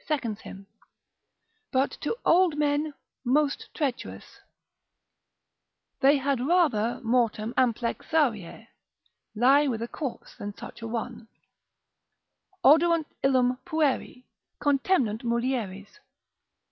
seconds him), but to old men most treacherous: they had rather mortem amplexarier, lie with a corse than such a one: Oderunt illum pueri, contemnunt mulieres.